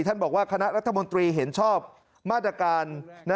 ท่านบอกว่าคณะรัฐมนตรีเห็นชอบมาตรการ